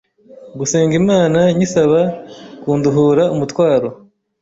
gusenga Imana nyisaba kunduhura umutwaro